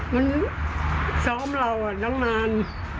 มันซ้อมเราตั้งนาน